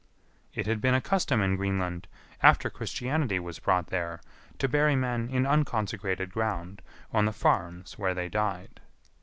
] It had been a custom in Greenland, after Christianity was brought there, to bury men in unconsecrated ground on the farms where they died.